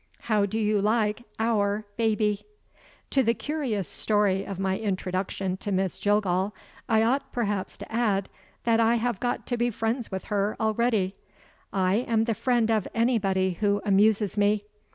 How do you like Our baby?" To the curious story of my introduction to Miss Jillgall, I ought perhaps to add that I have got to be friends with her already. I am the friend of anybody who amuses me.